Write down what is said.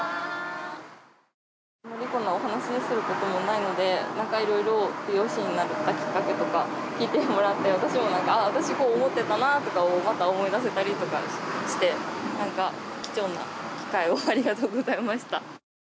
あんまりこんなお話しすることもないのでなんかいろいろ美容師になったきっかけとか聞いてもらって私も「私こう思ってたな」とかをまた思い出せたりとかして貴重な機会をありがとうございました。